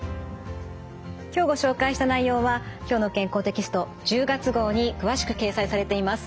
今日ご紹介した内容は「きょうの健康」テキスト１０月号に詳しく掲載されています。